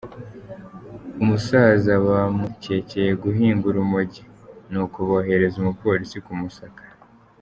Umusaza bamukekeye guhinga urumogi, ni uko bohereza umupolisi kumusaka.